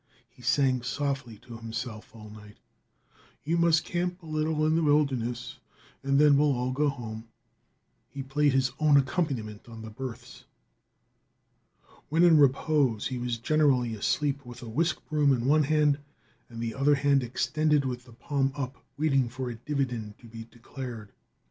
He sang softly to himself all night long: "You must camp a little in the wilderness And then we'll all go home." He played his own accompaniment on the berths. When in repose he was generally asleep with a whisk broom in one hand and the other hand extended with the palm up, waiting for a dividend to be declared.